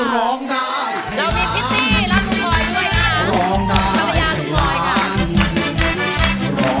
เรามีพิษีร้องลูงปล๊อยร์ด้วยนะคะ